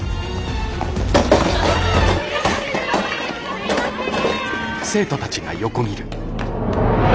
すいません。